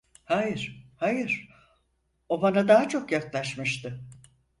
Hayır, hayır, o bana daha çok yaklaşmıştı…